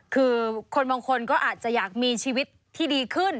คือคนบางคนก็อาจจะอยากมีชีวิตที่ดีขึ้น